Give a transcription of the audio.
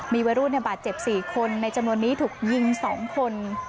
มีวัยรุ่นบาดเจ็บ๔คนในจำนวนนี้ถูกยิง๒คน